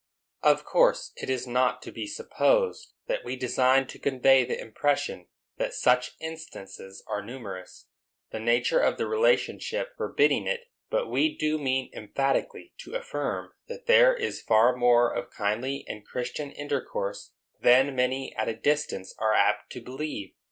Of course it is not to be supposed that we design to convey the impression that such instances are numerous, the nature of the relationship forbidding it; but we do mean emphatically to affirm that there is far more of kindly and Christian intercourse than many at a distance are apt to believe.